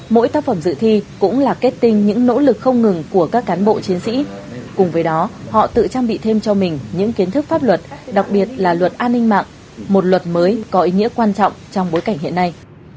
mỗi tác phẩm dự thi cũng là kết tinh những nỗ lực không ngừng của các cán bộ chiến sĩ cùng với đó họ tự trang bị thêm cho mình những kiến thức pháp luật đặc biệt là luật an ninh mạng một luật mới có ý nghĩa quan trọng trong bối cảnh hiện nay